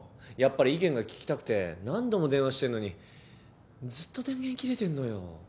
やっぱり意見が聞きたくて何度も電話してんのにずっと電源切れてんのよ。